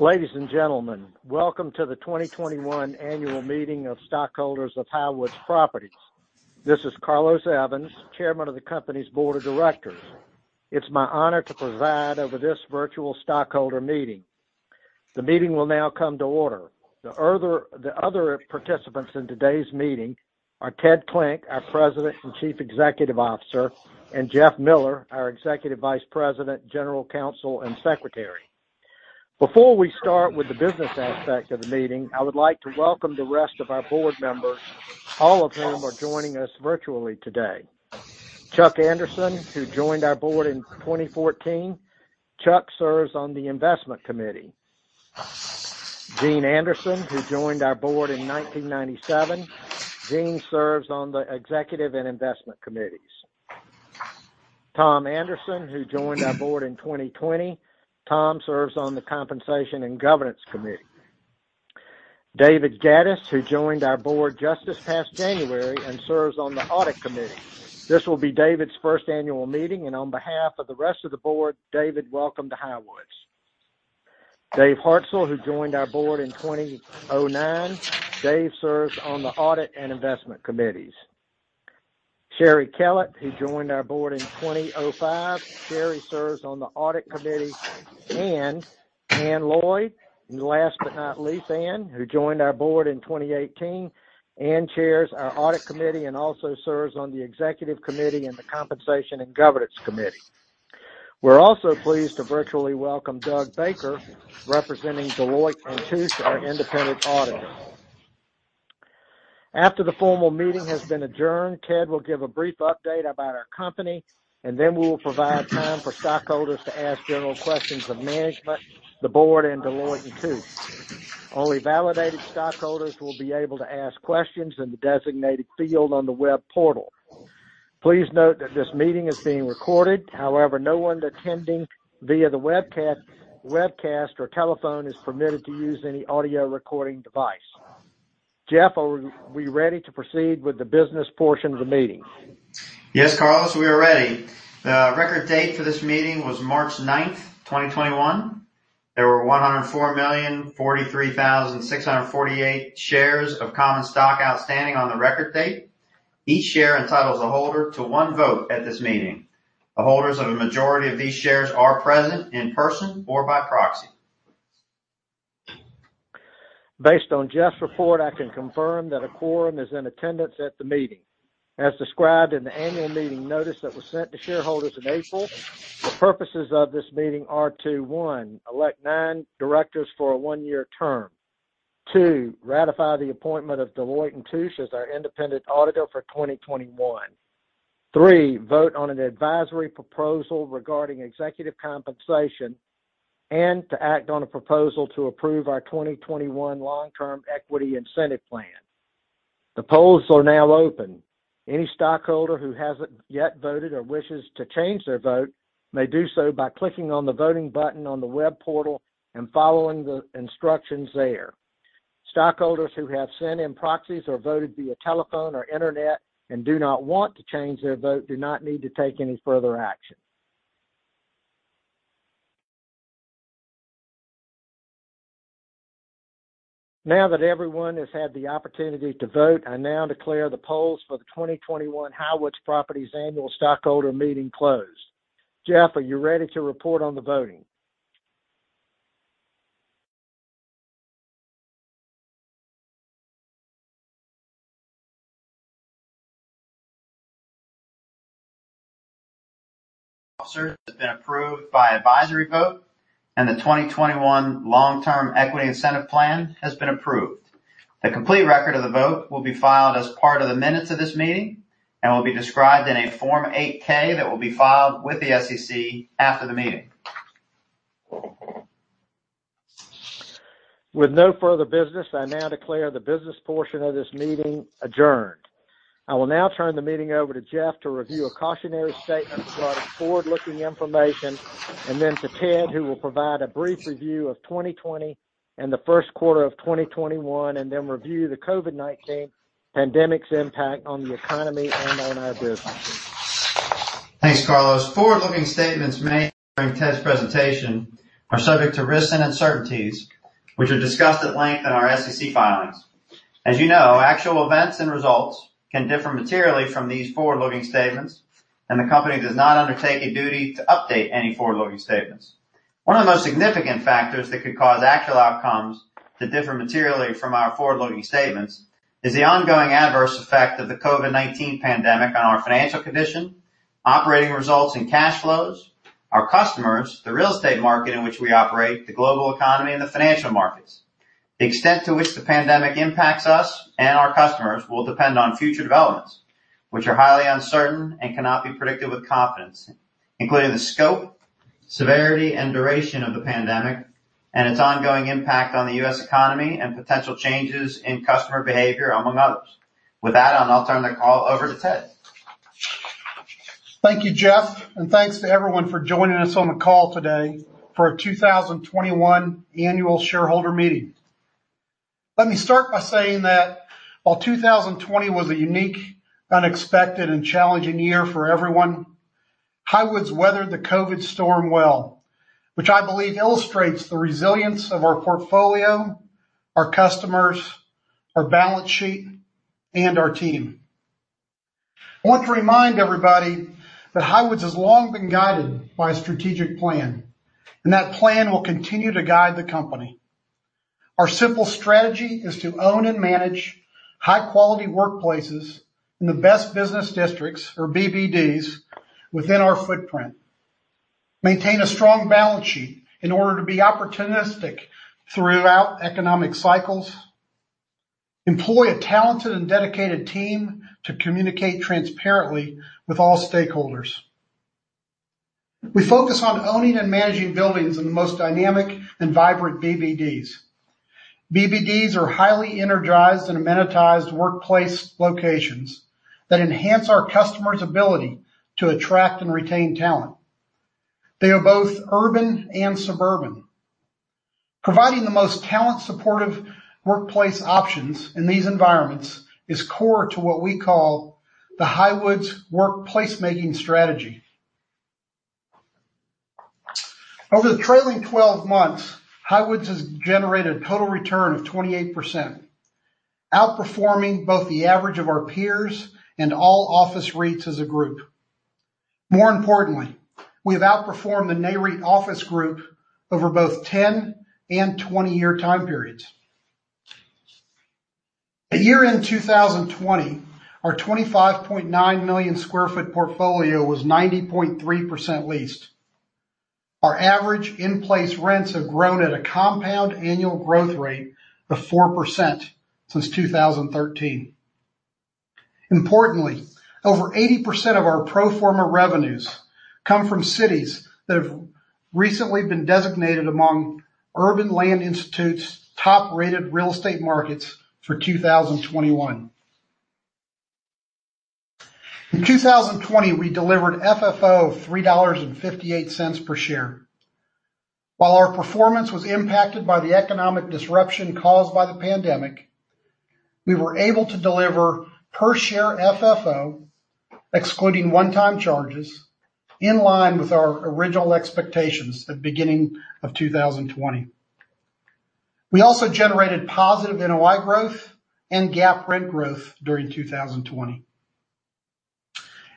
Ladies and gentlemen, welcome to the 2021 Annual Meeting of Stockholders of Highwoods Properties. This is Carlos Evans, Chairman of the company's Board of Directors. It's my honor to preside over this virtual stockholder meeting. The meeting will now come to order. The other participants in today's meeting are Ted Klinck, our President and Chief Executive Officer, and Jeff Miller, our Executive Vice President, General Counsel, and Secretary. Before we start with the business aspect of the meeting, I would like to welcome the rest of our board members. All of them are joining us virtually today. Chuck Anderson, who joined our board in 2014. Chuck serves on the Investment Committee. Gene Anderson, who joined our board in 1997. Gene serves on the Executive and Investment Committees. Tom Anderson, who joined our board in 2020. Tom serves on the Compensation and Governance Committee. David Gadis, who joined our board just this past January and serves on the Audit Committee. This will be David's first Annual Meeting. On behalf of the rest of the board, David, welcome to Highwoods. Dave Hartzell, who joined our board in 2009. Dave serves on the Audit and Investment Committees. Sherry Kellett, who joined our board in 2005. Sherry serves on the Audit Committee. Anne Lloyd, last but not least, Anne, who joined our board in 2018, and chairs our Audit Committee and also serves on the Executive Committee and the Compensation and Governance Committee. We're also pleased to virtually welcome Doug Baker, representing Deloitte & Touche, our Independent Auditor. After the formal meeting has been adjourned, Ted Klinck will give a brief update about our company. Then we will provide time for stockholders to ask general questions of management, the board, and Deloitte & Touche. Only validated stockholders will be able to ask questions in the designated field on the web portal. Please note that this meeting is being recorded. However, no one attending via the webcast or telephone is permitted to use any audio recording device. Jeff, are we ready to proceed with the business portion of the meeting? Yes, Carlos, we are ready. The record date for this meeting was March 9th, 2021. There were 104,043,648 shares of common stock outstanding on the record date. Each share entitles a holder to one vote at this meeting. The holders of a majority of these shares are present in person or by proxy. Based on Jeff's report, I can confirm that a quorum is in attendance at the meeting. As described in the Annual Meeting notice that was sent to shareholders in April, the purposes of this meeting are to, one, elect nine Directors for a one-year term. Two, ratify the appointment of Deloitte & Touche as our independent auditor for 2021. Three, vote on an advisory proposal regarding executive compensation, and to act on a proposal to approve our 2021 Long-Term Equity Incentive Plan. The polls are now open. Any stockholder who hasn't yet voted or wishes to change their vote may do so by clicking on the voting button on the web portal and following the instructions there. Stockholders who have sent in proxies or voted via telephone or internet and do not want to change their vote do not need to take any further action. Now that everyone has had the opportunity to vote, I now declare the polls for the 2021 Highwoods Properties Annual Stockholder Meeting closed. Jeff, are you ready to report on the voting? officer has been approved by advisory vote, and the 2021 Long-Term Equity Incentive Plan has been approved. The complete record of the vote will be filed as part of the minutes of this meeting and will be described in a Form 8-K that will be filed with the SEC after the meeting. With no further business, I now declare the business portion of this meeting adjourned. I will now turn the meeting over to Jeff to review a cautionary statement regarding forward-looking information, and then to Ted, who will provide a brief review of 2020 and the first quarter of 2021, and then review the COVID-19 pandemic's impact on the economy and on our business. Thanks, Carlos. Forward-looking statements made during Ted's presentation are subject to risks and uncertainties, which are discussed at length in our SEC filings. As you know, actual events and results can differ materially from these forward-looking statements, and the company does not undertake a duty to update any forward-looking statements. One of the most significant factors that could cause actual outcomes to differ materially from our forward-looking statements is the ongoing adverse effect of the COVID-19 pandemic on our financial condition, operating results and cash flows, our customers, the real estate market in which we operate, the global economy, and the financial markets. The extent to which the pandemic impacts us and our customers will depend on future developments, which are highly uncertain and cannot be predicted with confidence, including the scope, severity, and duration of the pandemic and its ongoing impact on the U.S. economy and potential changes in customer behavior, among others. With that, I'll now turn the call over to Ted. Thank you, Jeff, and thanks to everyone for joining us on the call today for our 2021 Annual Shareholder Meeting. Let me start by saying that while 2020 was a unique, unexpected, and challenging year for everyone, Highwoods weathered the COVID-19 storm well, which I believe illustrates the resilience of our portfolio, our customers, our balance sheet, and our team. I want to remind everybody that Highwoods has long been guided by a strategic plan. That plan will continue to guide the company. Our simple strategy is to own and manage high-quality workplaces in the best business districts, or BBDs, within our footprint, maintain a strong balance sheet in order to be opportunistic throughout economic cycles, employ a talented and dedicated team to communicate transparently with all stakeholders. We focus on owning and managing buildings in the most dynamic and vibrant BBDs. BBDs are highly energized and amenitized workplace locations that enhance our customers' ability to attract and retain talent. They are both urban and suburban. Providing the most talent supportive workplace options in these environments is core to what we call the Highwoods workplace making strategy. Over the trailing 12 months, Highwoods has generated total return of 28%, outperforming both the average of our peers and all office REITs as a group. More importantly, we have outperformed the NAREIT office group over both 10 and 20-year time periods. At year-end 2020, our 25.9 million square foot portfolio was 90.3% leased. Our average in-place rents have grown at a compound annual growth rate of 4% since 2013. Importantly, over 80% of our pro forma revenues come from cities that have recently been designated among Urban Land Institute's top-rated real estate markets for 2021. In 2020, we delivered FFO of $3.58 per share. While our performance was impacted by the economic disruption caused by the pandemic, we were able to deliver per share FFO, excluding one-time charges, in line with our original expectations at beginning of 2020. We also generated positive NOI growth and GAAP rent growth during 2020.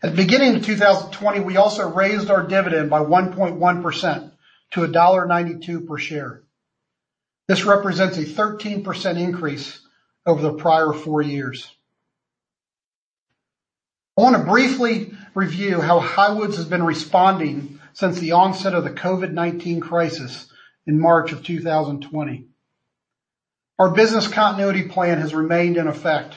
At the beginning of 2020, we also raised our dividend by 1.1% to $1.92 per share. This represents a 13% increase over the prior four years. I want to briefly review how Highwoods has been responding since the onset of the COVID-19 crisis in March of 2020. Our business continuity plan has remained in effect.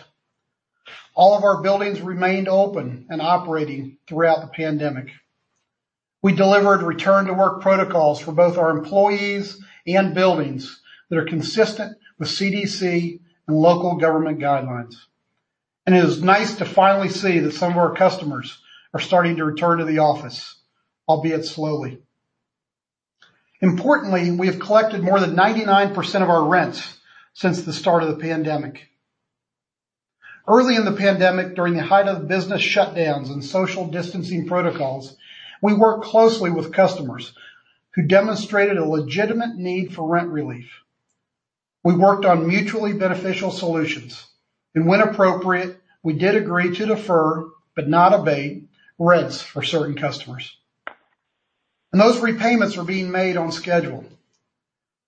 All of our buildings remained open and operating throughout the pandemic. We delivered return to work protocols for both our employees and buildings that are consistent with CDC and local government guidelines. It is nice to finally see that some of our customers are starting to return to the office, albeit slowly. Importantly, we have collected more than 99% of our rents since the start of the pandemic. Early in the pandemic, during the height of business shutdowns and social distancing protocols, we worked closely with customers who demonstrated a legitimate need for rent relief. We worked on mutually beneficial solutions, and when appropriate, we did agree to defer, but not abate, rents for certain customers. Those repayments are being made on schedule.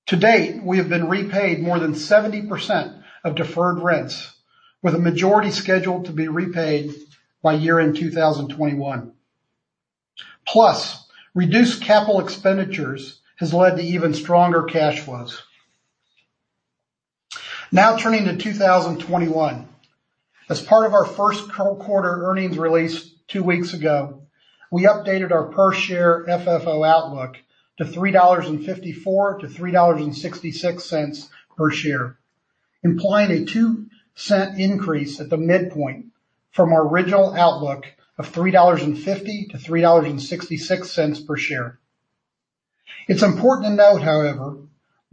To date, we have been repaid more than 70% of deferred rents, with a majority scheduled to be repaid by year end 2021. Plus, reduced capital expenditures has led to even stronger cash flows. Now turning to 2021. As part of our first quarter earnings release two weeks ago, we updated our per share FFO outlook to $3.54-$3.66 per share, implying a $0.02 increase at the midpoint from our original outlook of $3.50-$3.66 per share. It's important to note, however,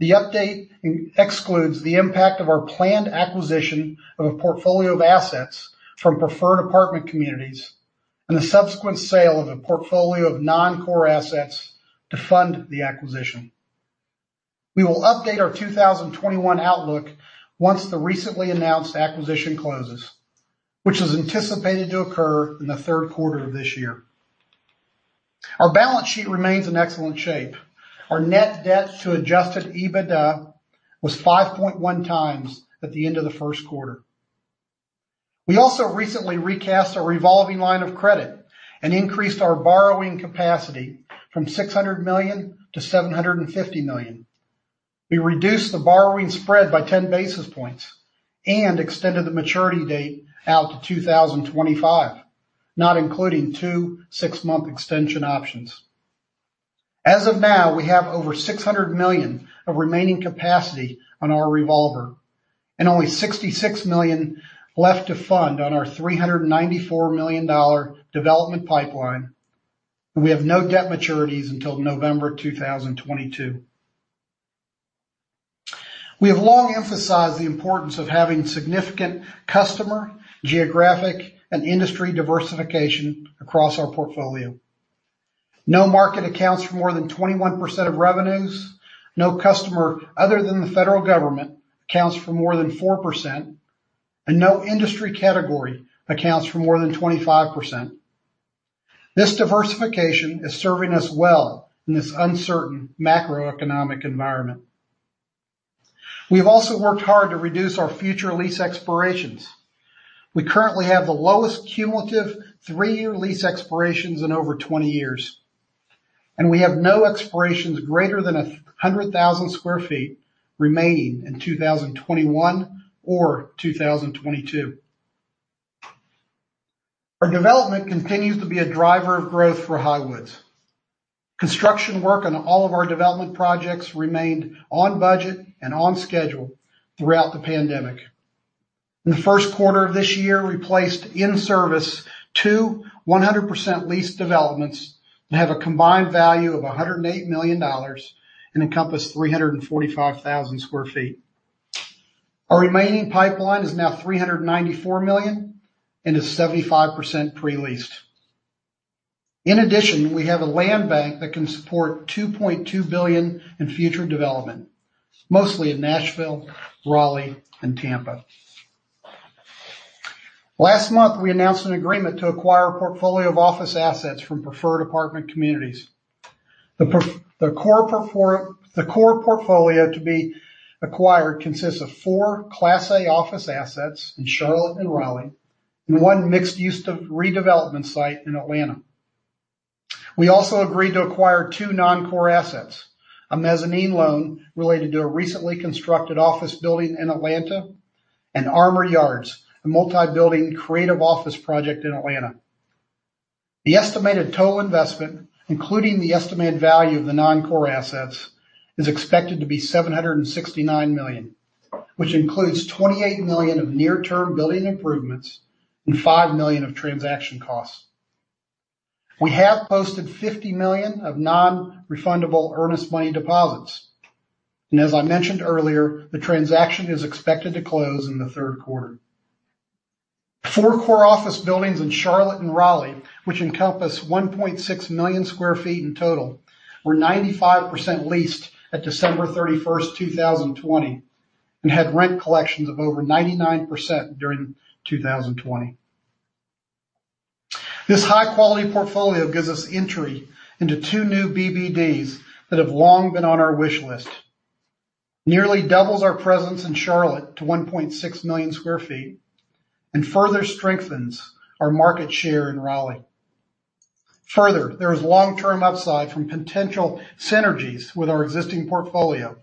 the update excludes the impact of our planned acquisition of a portfolio of assets from Preferred Apartment Communities and the subsequent sale of a portfolio of non-core assets to fund the acquisition. We will update our 2021 outlook once the recently announced acquisition closes, which is anticipated to occur in the third quarter of this year. Our balance sheet remains in excellent shape. Our net debt to Adjusted EBITDA was 5.1x at the end of the first quarter. We also recently recast our revolving line of credit and increased our borrowing capacity from $600 million-$750 million. We reduced the borrowing spread by 10 basis points and extended the maturity date out to 2025, not including two six-month extension options. As of now, we have over $600 million of remaining capacity on our revolver and only $66 million left to fund on our $394 million development pipeline. We have no debt maturities until November 2022. We have long emphasized the importance of having significant customer, geographic, and industry diversification across our portfolio. No market accounts for more than 21% of revenues, no customer other than the federal government accounts for more than 4%, and no industry category accounts for more than 25%. This diversification is serving us well in this uncertain macroeconomic environment. We've also worked hard to reduce our future lease expirations. We currently have the lowest cumulative three-year lease expirations in over 20 years, and we have no expirations greater than 100,000 sq ft remaining in 2021 or 2022. Our development continues to be a driver of growth for Highwoods. Construction work on all of our development projects remained on budget and on schedule throughout the pandemic. In the first quarter of this year, we placed in service two 100% leased developments that have a combined value of $108 million and encompass 345,000 sq ft. Our remaining pipeline is now $394 million and is 75% pre-leased. In addition, we have a land bank that can support $2.2 billion in future development, mostly in Nashville, Raleigh, and Tampa. Last month, we announced an agreement to acquire a portfolio of office assets from Preferred Apartment Communities. The core portfolio to be acquired consists of four Class A office assets in Charlotte and Raleigh, and one mixed-use to redevelopment site in Atlanta. We also agreed to acquire two non-core assets, a mezzanine loan related to a recently constructed office building in Atlanta, and Armour Yards, a multi-building creative office project in Atlanta. The estimated total investment, including the estimated value of the non-core assets, is expected to be $769 million, which includes $28 million of near-term building improvements and $5 million of transaction costs. We have posted $50 million of non-refundable earnest money deposits. As I mentioned earlier, the transaction is expected to close in the third quarter. Four core office buildings in Charlotte and Raleigh, which encompass 1.6 million sq ft in total, were 95% leased at December 31st, 2020, and had rent collections of over 99% during 2020. This high quality portfolio gives us entry into two new BBDs that have long been on our wish list, nearly doubles our presence in Charlotte to 1.6 million sq ft, and further strengthens our market share in Raleigh. There is long-term upside from potential synergies with our existing portfolio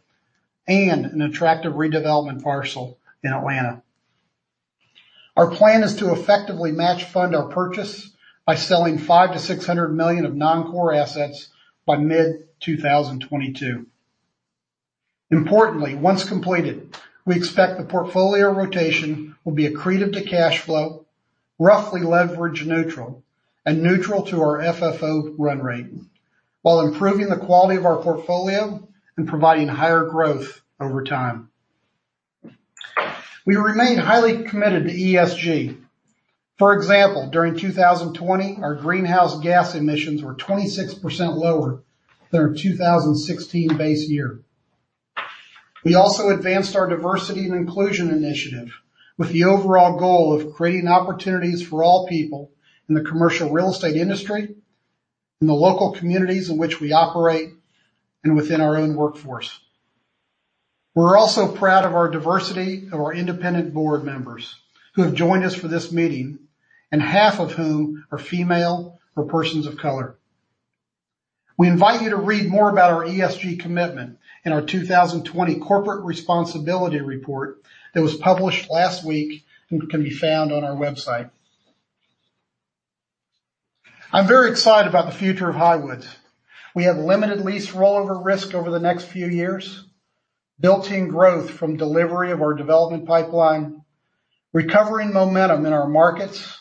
and an attractive redevelopment parcel in Atlanta. Our plan is to effectively match fund our purchase by selling $500 million-$600 million of non-core assets by mid 2022. Importantly, once completed, we expect the portfolio rotation will be accretive to cash flow, roughly leverage neutral, and neutral to our FFO run rate, while improving the quality of our portfolio and providing higher growth over time. We remain highly committed to ESG. For example, during 2020, our greenhouse gas emissions were 26% lower than our 2016 base year. We also advanced our diversity and inclusion initiative with the overall goal of creating opportunities for all people in the commercial real estate industry, in the local communities in which we operate, and within our own workforce. We're also proud of our diversity of our independent board members who have joined us for this meeting, and half of whom are female or persons of color. We invite you to read more about our ESG commitment in our 2020 corporate responsibility report that was published last week and can be found on our website. I'm very excited about the future of Highwoods. We have limited lease rollover risk over the next few years, built-in growth from delivery of our development pipeline, recovering momentum in our markets,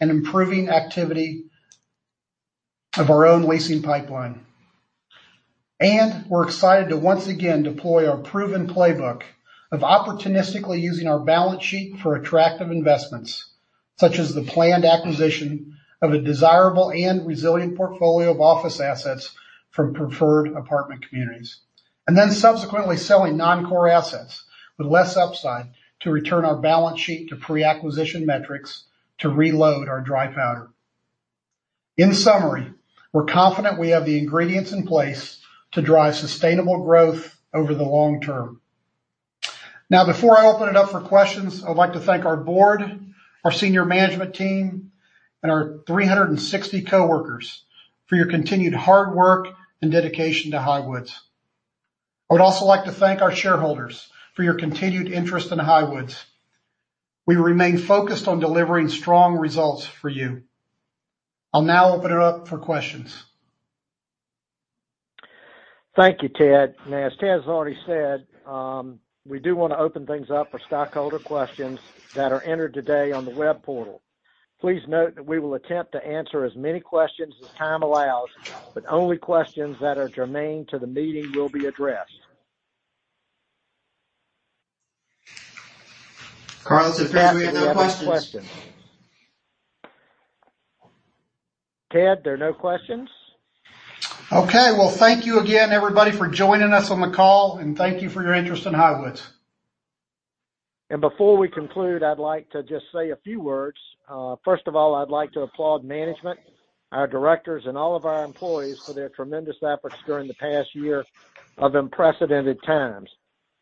and improving activity of our own leasing pipeline. We're excited to once again deploy our proven playbook of opportunistically using our balance sheet for attractive investments, such as the planned acquisition of a desirable and resilient portfolio of office assets from Preferred Apartment Communities. Subsequently selling non-core assets with less upside to return our balance sheet to pre-acquisition metrics to reload our dry powder. In summary, we're confident we have the ingredients in place to drive sustainable growth over the long term. Now, before I open it up for questions, I'd like to thank our board, our senior management team, and our 360 coworkers for your continued hard work and dedication to Highwoods. I would also like to thank our shareholders for your continued interest in Highwoods. We remain focused on delivering strong results for you. I'll now open it up for questions. Thank you, Ted. As Ted has already said, we do want to open things up for stockholder questions that are entered today on the web portal. Please note that we will attempt to answer as many questions as time allows, but only questions that are germane to the meeting will be addressed. Carlos, it appears we have no questions. Ted, there are no questions. Okay. Well, thank you again, everybody, for joining us on the call, and thank you for your interest in Highwoods. Before we conclude, I'd like to just say a few words. First of all, I'd like to applaud management, our directors, and all of our employees for their tremendous efforts during the past year of unprecedented times.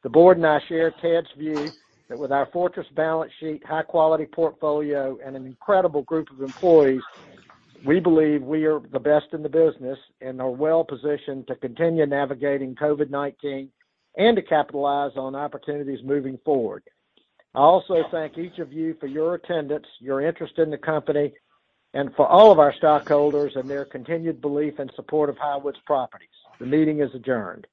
The board and I share Ted's view that with our fortress balance sheet, high quality portfolio, and an incredible group of employees, we believe we are the best in the business and are well positioned to continue navigating COVID-19 and to capitalize on opportunities moving forward. I also thank each of you for your attendance, your interest in the company, and for all of our stockholders and their continued belief and support of Highwoods Properties. The meeting is adjourned.